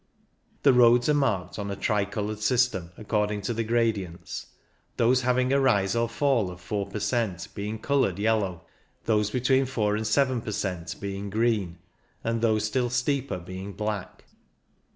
The roads are marked on a tricoloured system, according to the gra dients, those having a rise or fall of 4 per cent, being coloured yellow, those between 4 and 7 per cent, being green, and those still steeper being black.